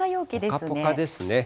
ぽかぽかですね。